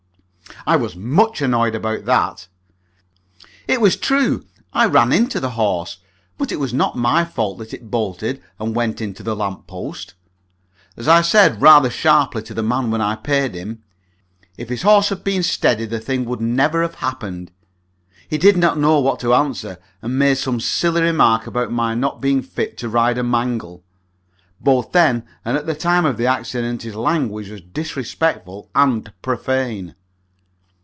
I was much annoyed about that. It was true I ran into the horse, but it was not my fault that it bolted and went into the lamp post. As I said, rather sharply, to the man when I paid him, if his horse had been steady the thing would never have happened. He did not know what to answer, and made some silly remark about my not being fit to ride a mangle. Both then and at the time of the accident his language was disrespectful and profane.